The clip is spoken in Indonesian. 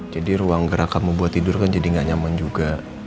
jadi ruang gerak kamu buat tidur kan jadi gak nyaman juga